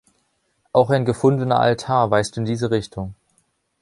Auch ein gefundener Altar weist in diese Richtung.